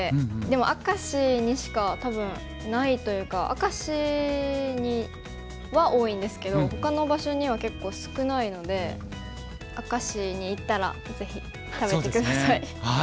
でも明石にしか多分ないというか明石には多いんですけどほかの場所には結構少ないので明石に行ったらぜひ食べて下さい。